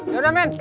ya udah men